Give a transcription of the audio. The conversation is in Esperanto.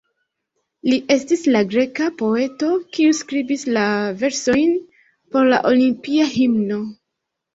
Li estis la greka poeto kiu skribis la versojn por la Olimpia Himno.